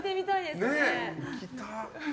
行きたい。